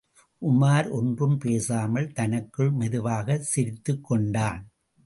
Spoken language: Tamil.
உமார் ஒன்றும் பேசாமல் தனக்குள் மெதுவாகச் சிரித்துக் கொண்டான்.